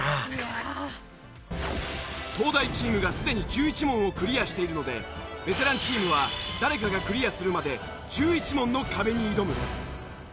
東大チームがすでに１１問をクリアしているのでベテランチームは誰かがクリアするまで１１問の壁に挑む。